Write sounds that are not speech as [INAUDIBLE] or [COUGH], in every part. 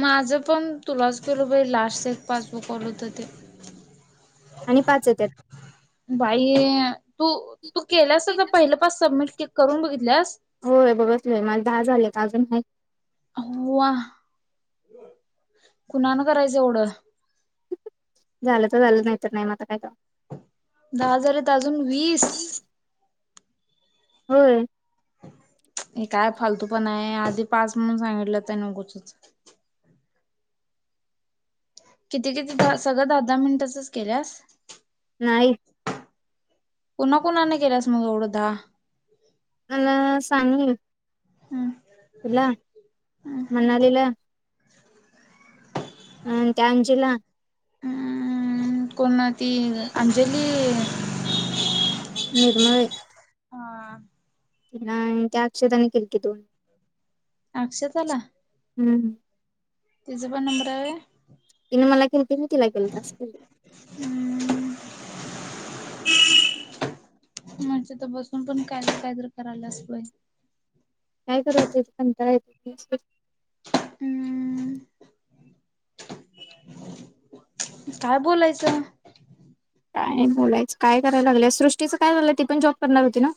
माझ पण तुलाच केल बाई लास्ट एक पासबुक होत ते आणि पाच त्या बाई तू तू केलास नाता पहिले पाास सबमिट केक करून बघितल्यास होय बघसलय मला दहा झालेय का अजून हो वा कुणान करायचं एवढं झालं तर झालं नाहीतर नाही मात्र काही का दहा हजारेत अजून वीस होय हे काय फालतू पण आहे आधी पास म्हणून सांगितलं तर न गुचच किती किती दहा सगळं दहा दहा मिनिटचच केल्यास नाही कोणा्हा कोणाने केलास मग एवढंदा मला सांगू हम् तुला मनालीला अ त्या आंजीला हम् कोण ती अंजली निर्मय अ ह त्या अक्षताने केली की दोन अक्षता ला हम्म तिचा पण नंबर आहे तिने मला केती तिला केेलंं हम्म म्हणे तर बसून पण कायद कायदर करायला असतोय काय कररावत हम्म काय बोलायचं काय नाही बोलायचं काय करायला लागलं सृष्टीचं काय झालंय ती पण जॉब करणार होती ना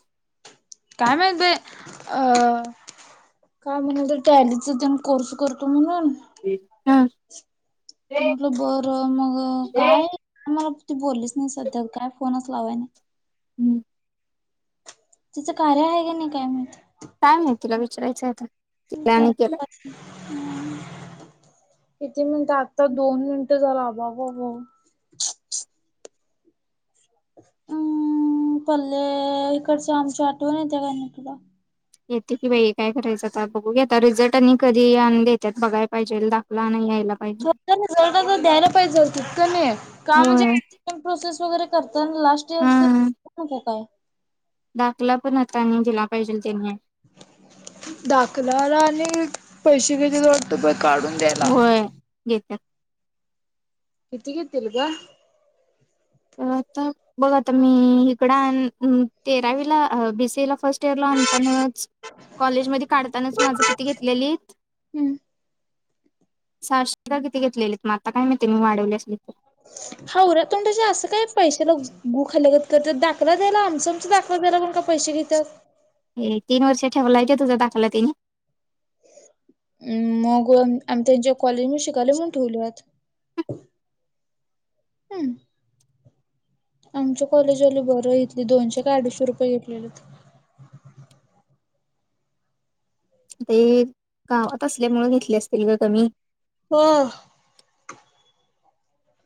काय म्ह अ काय म्हणाल तर टॅलीचण कोर्स करतो म्हणून हा म्हटलं बरं मग काय मला ती बोललीच नाही सध्या काय फोनच लावाय नाही हम्म त्याचं कार्य आहे का नाही काय माण कायम आहे तिला विचारायचंय तिला आणि केला हम् किती म्हणता आता दोन मिनिटं झाला अबाबा हम्म पल्ले इकड चांम टूव न येत का तला येते की बाई काय करायचं आता बघू घता रिझल्ट आणि कधी देतात बघाय पाहिजे दाखला नाही यायला ख पाहिजे. ज तर द्यायला पाहिजे तकं नाही का होय. म्हणजे प्रोसेस वगैरे त लास्ट इयर हा च नको काय दाखला पण आतानी दिला पाहिजे त्यांनी दाकलाला आणि पैसे घयचे वाटत प काढून द्यायला घेत्या कि त ग तल का आता बघा आता मी इकड तेरावीला बीसी ला फर्स्ट आणताना कॉलेज म काढतानाच माझ किती घेतलेली हम् सारशेधार किती घेतलेलीत मग आता काय माहिती मी वाढवली असली तर हावरा तोंडच्या असं काय पैशाला गुखलगत करत दाखला द्यायला आमच दाखला ला पण का पैसे घेतात हे तीन वष ठेवाये तझा दाखवला तिने मग आम्ही त्यांच्या कॉलेज म शिकायल मण ठेवलत ह आमच्या कॉलेज आली बरं घेतली दोनशे का अडीशे रुपये घेतलेले ते गावात असल्यामुळेून घेतले असते किं क ममी ह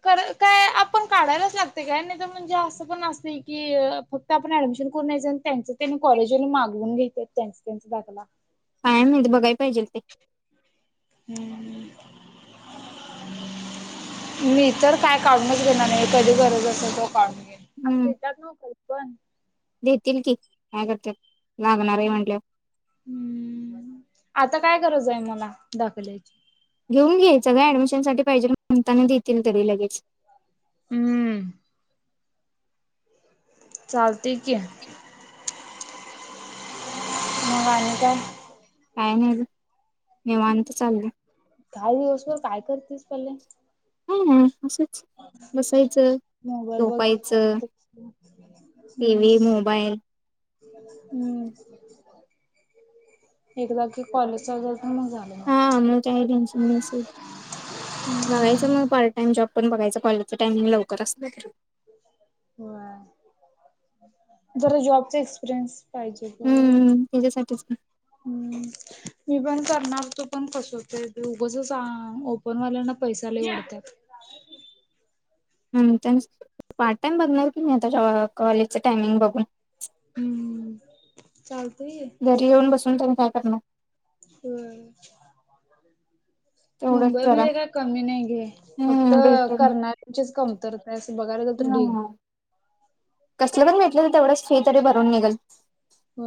काय आपण काढायलाच लागते काय नाही तर म्हणजे असं पण असते की फक्त आपण ऍडमिशन करून न्यायच आणि त्यांच त्यां म कॉलेजून मागवून घेत त्यां त्यांचा दाखला कायम नाही ते बघाय पाहिजे ते हम्म मी तर काय काढूनच घेणार नाही कधी गरज अस तो काढून घे हम्म. असं देतात नक पण देतील की काय करत लागणार आहे म्हटलं हम्म आता काय गरज आहे मला दाखल्याची घेऊन घ्याय सगय ऍडमिशन साठी पाहिजे म्हणताना देतील तरी लगेच हम्म चालते की मंगने का काय नाही निेवत चाललं काही दिवसभर काय करतेस पले हा असच मोबाल बघेर करते हम् टीव्ही मोबाईल हम्म हे बाकी कॉलेज चाल मग झाले ना हा मग काही टेन्शन नसेल बघायचं मग पार्टाम जॉब पण बघायं कॉलेजं टाइमिंगवकरचे हो जरा जॉबचा एक्सपिरियन्स फहिज ब ह मी पण करणार तो पण कस होत उगंस ओपनवाल्यांना पैसा लवडतात पार्ट टाइम बघणार की नाही आताच्या कॉलेजच टायमिंग बघून हम्म चालतंय की. घरी येऊन बसून त्यांनी काय करणार हम् तेवढंच जरा मुंबईमध्येध्ये काय कमी नाही घे फक्त हम्म बेटर करणाऱ्यांचीच कमतरता आहे असं बघायला तर तर ढिग ह कसलं पण भेटलं तर तेवढंच फ तरी भरून निघेल हो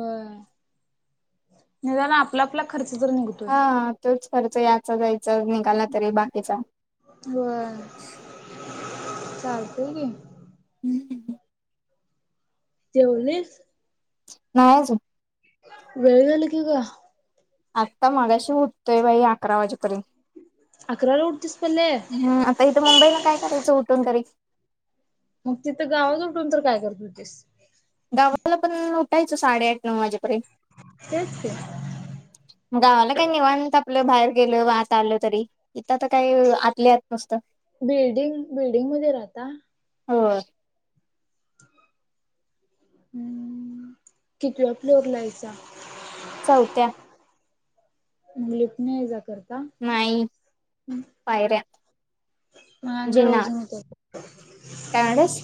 नाही ज आपला आपला खर्च तर निघत हा तोच खर्च याचा जायचा निघाला तरी बाकीचा व चालतय की हम् ह तेव न नाहीज वेळीदल क का आत्ता मगाशी उठतोय बाई अकरा वाजेपर्यंत अकराला उडतेस पले हम् आता इथं मुंबईला काय करायचं उठून तरी मग तिथं गावात उठून तर काय करत होतीस गावाला पण उठायचं साडेआठ नऊ वाजेपर्यंत तेसचे गावाला काय निवांत आपलं बाहेर गेल वाहत आल तरी इथ तर काही आतले आत नसत बिल्डिंग बिल्डिंग मध्ये राहता हो हम् कतीला आप्लोर लायचा चौथ्या मुगलत नाही जा करते नाही पायर्या मगन जर अजून येतो कागच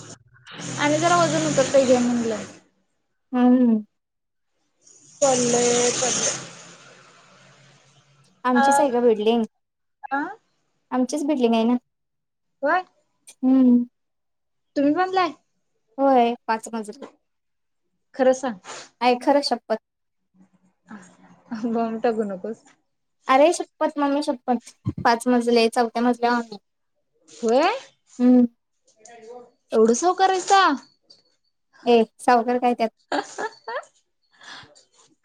आणि जरा वजन होतात पाहिजे म्हणलं हम् हम्म पण प आमचीच आहे का बिल्डिंग अ आमचीच बिल्डिंग आहे ना का हम्म तुम्ही म्हणलाय होय पाच मजरी खरं सांग आहे खरं शपथ बॉमब टाघू नकोस अरे शप्पत मम्मी शप्पत पाच मजले चौथ्या मजले मम्मी होय एवढं सवकारयता ए सावकर काय त्यात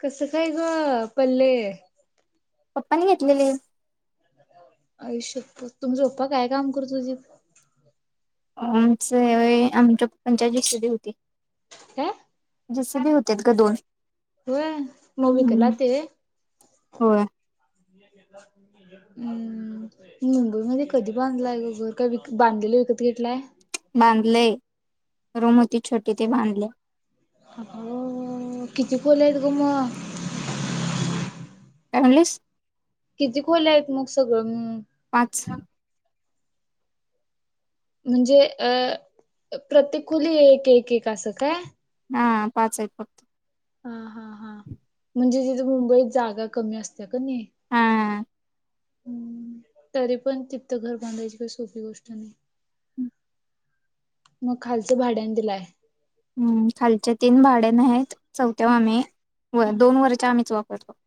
कस काय ग पल्ले पप्पानी घेतलेली आयुष्यात तुमचपप्पा काय काम करत होते आमच हे व्हयं आमच्या पंच्याची सदी होती [UNINTELLIGIBLE] काय जेसीबी होतेत ग दोन होय म वीकला हम्म ते? होय हं मुंबई मध्ये कधी बांधलाय ग घर काय विक बांधलेल विकत घेतलाय. बांधलेय रूम होती छोटी ते बांधले किती खोल्या आहेत ग म? काय म्हणलीस? किती खोल्या आहेत म सगळं मिळून पाच. म्हणजे अ प्रत्येक खोली एक एक एक असं काय? हा पाच आहेत फक्त. हा हा हा म्हणजे तिथे मुंबईत जागा कमी असत्या क नही हा! हुं तरी पण तितं घर बांधायची काय सोपी गोष्ट नाही. मग खालचं भाड्यान दिलाय हुं खालचे तीन भाड्यान आहे त चौथ्याव आम्ही व दोन वरच्या आम्हीच वापरतो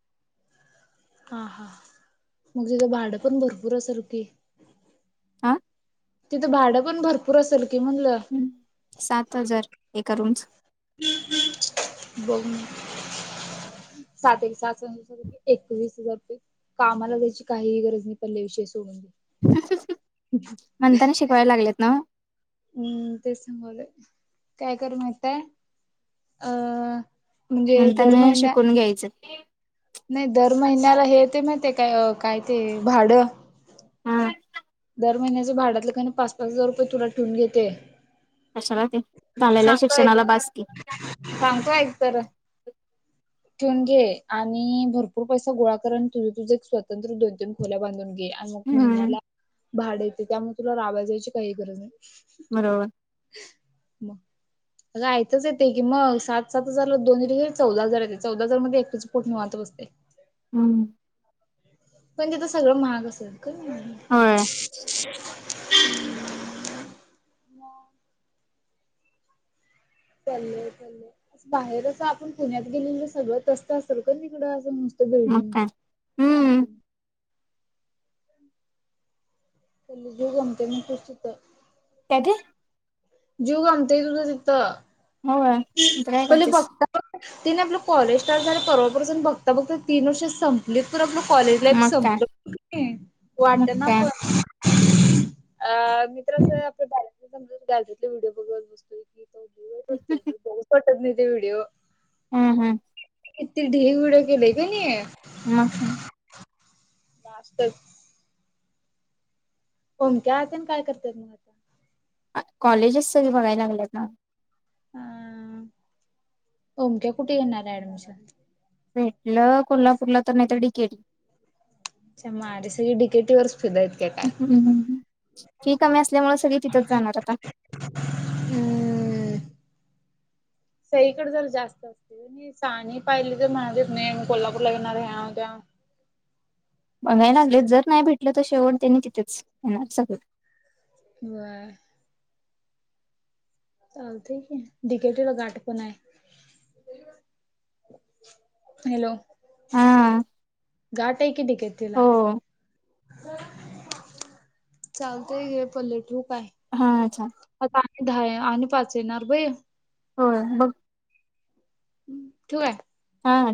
हा हा मग तिचं भाडं पण भरपूर असर की आ! तिथं भाडं पण भरपूर असेल की म्हणलं. सात हजार एका रूमच ब सास [UNINTELLIGIBLE] एकवीस हजार रुपये कामाला जायची काहीही गरज नाही पडली विषय सोडून दे. [INAUDIBLE] म्हणताना शिकवायला लागलेत ना हुं तेच सांगुलंय काय कर माहित्येय अं. म्हणून त्यांना शिकून घ्यायचं नाही दर महिन्याला हे ते माहिते काय काय ते भाडं हा दर महिन्याच भाडातलं कनी पाच पाच हजार रुपये तुला ठेवून घेते कशाला ते झालेल्या सांगतोय शिक्षणाला बास की. सांगतो एक तर? [INAUDIBLE] ठेऊन घे आणि भरपूर पैसा गोळा कर न तुझ तुझ एक स्वतंत्र दोन तीन खोल्या बांधून घे अन मग हम्म महिन्याला भाड येते त्यामुळ तुला राबाया जायची काही गरज नाही. [INAUDIBLE] [UNINTELLIGIBLE] अग आयत चं येते की म सात सात हजार ला दोनी डी चौदा हजार येते चौदा हजार मध्ये एकटीच पोट निवांत बसतंय. हुं! पण तिथं सगळं महाग असल कनी. हा! [INAUDIBLE] चालय चालय बाहेर असं आपुण पुण्यात गेलेल सगळं तस्त असल का तिकडं आपण त मग बिल्डिंग काय हम्म क जी गमते म खसित [UNINTELLIGIBLE] तत काय ते [UNINTELLIGIBLE] जीव गमतय तुझं तिथं. होय इथं काय पले करतेस बघता बघ तीन आपलं कॉलेज स्टाट झालं परवापासून बघता बघता तीन वर्ष संप ल पर आपलं कॉलेज लाईफ मग काय संपलं मग वाटना काय पण. [UNINTELLIGIBLE] ह [INAUDIBLE] पटत नाही ते व्हिडिओ हम हम किती ढीग व्हिडिओ केले की नाही हम् हम् नास्त ओमक्या आणि काय करतय मग कॉलेजेस सगळे बघायला लागल्यात ना ह मक्या कुठे येणार आहे ऍडमिशन भेटलं कोल्हापूरला तर नाहीत डिकेट च मारीे सग डिकेटी वर्स प हम् फी कमी असल्यामुळे सगळी तिथंच जाणार आता हम् सईकडे जर जास्त असते साणी पाहिली तर म्हणाते मेम कोल्हापूरला येणार ह्यात्या बघाय लागले जर नाही भेटलं तर शेवट त्यांनी तिथेच येणार सगळं कंवा चालत की िकेटीला गाठ पण आहे हॅलो हा गा ट कि टिकेला हो चालतय घ पल्ले ठूक आहे हा अच्छा आता आणि दहा आणि पाच येणार बई हो मघ ह् ठू आहे हा